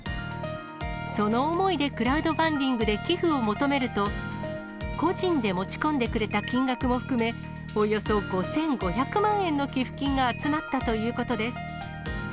その思いでクラウドファンディングで寄付を求めると、個人で持ち込んでくれた金額も含め、およそ５５００万円の寄付金が集まったということです。